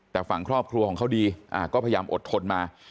แต่ฝั่งครอบครัวของเขาดีก็พยายามอดทนมา